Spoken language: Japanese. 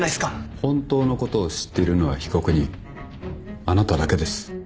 本当のことを知ってるのは被告人あなただけです。